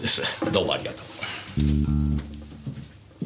どうもありがとう。